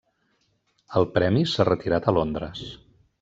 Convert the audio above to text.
El premi s'ha retirat a Londres.